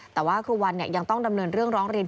แต่ว่าครูวันยังต้องดำเนินเรื่องร้องเรียน